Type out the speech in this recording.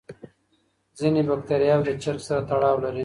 ځینې بکتریاوې د چرګ سره تړاو لري.